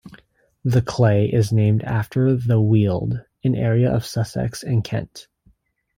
The clay is named after the Weald, an area of Sussex and Kent.